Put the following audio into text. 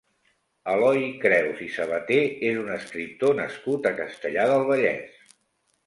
Eloi Creus i Sabater és un escriptor nascut a Castellar del Vallès.